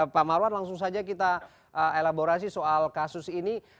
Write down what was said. pak marwan langsung saja kita elaborasi soal kasus ini